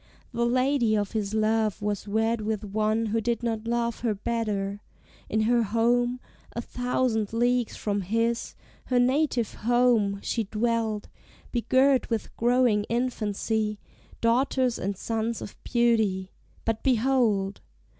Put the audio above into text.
The lady of his love was wed with one Who did not love her better: in her home, A thousand leagues from his, her native home, She dwelt, begirt with growing infancy, Daughters and sons of beauty, but behold!